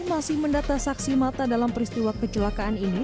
masih mendata saksi mata dalam peristiwa kecelakaan ini